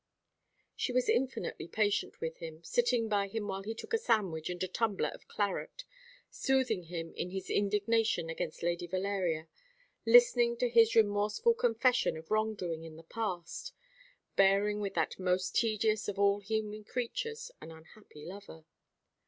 She was infinitely patient with him, sitting by him while he took a sandwich and a tumbler of claret; soothing him in his indignation against Lady Valeria; listening to his remorseful confession of wrong doing in the past; bearing with that most tedious of all human creatures, an unhappy lover.